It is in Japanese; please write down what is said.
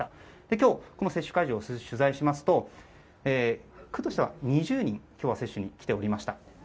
今日この接種会場を取材しますと区としては２０人が今日は接種に来ておりました。